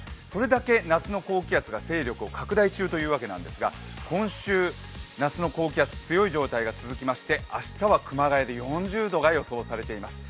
それだけ夏の高気圧が勢力を拡大中というわけなんですが、今週、夏の高気圧、強い状態が続きまして明日は熊谷で４０度が予想されています。